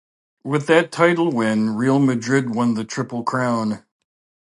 With that title win, Real Madrid won the triple crown.